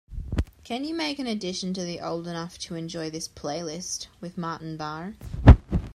Can you make an addition to the Old Enough To Enjoy This playlist with Martin Barre?